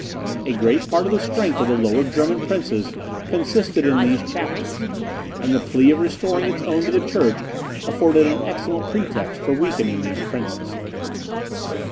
A great part of the strength of the Lower German princes consisted in these Chapters, and the plea of restoring its own to the church, afforded an excellent pretext for weakening these princes.